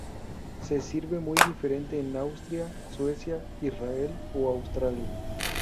Se sirve muy diferente en Austria, Suecia, Israel o Australia.